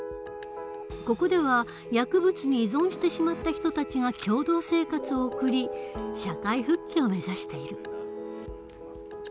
ここでは薬物に依存してしまった人たちが共同生活を送り社会復帰を目指している。